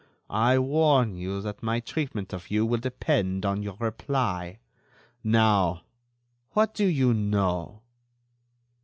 I warn you that my treatment of you will depend on your reply. Now, what do you know?"